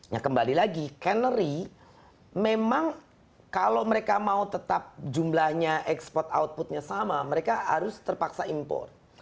ya kembali lagi cannery memang kalau mereka mau tetap jumlahnya export outputnya sama mereka harus terpaksa import